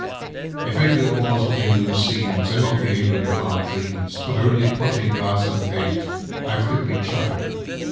If England was what England seemsAn' not the England of our dreams, But only putty, brass, an' paint,'Ow quick we'd chuck 'er!